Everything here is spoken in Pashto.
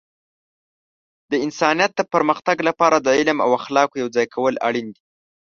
د انسانیت د پرمختګ لپاره د علم او اخلاقو یوځای کول اړین دي.